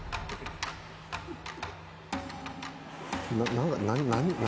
何か何？